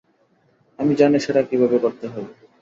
আমি জানি সেটা কীভাবে করতে হবে।